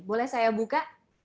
boleh saya buka